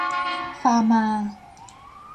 ฟาร์มา